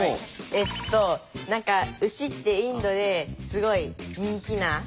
えっと何か牛ってインドですごい人気な。